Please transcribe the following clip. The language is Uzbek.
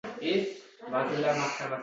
haddan ziyod qurollanishni deyarli oqlagan.